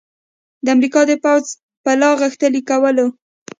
د امریکا د پوځ په لاغښتلي کولو